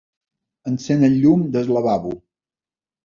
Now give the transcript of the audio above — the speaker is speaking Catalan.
Encén el llum del lavabo.